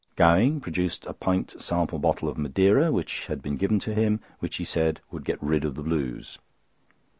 Gowing produced a pint sample bottle of Madeira, which had been given him, which he said would get rid of the blues.